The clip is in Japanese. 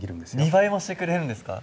２倍もしてくれるんですか？